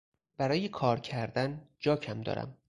برای کار کردن جاکم دارم.